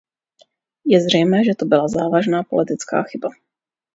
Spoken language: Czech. Je zřejmé, že to byla závažná politická chyba.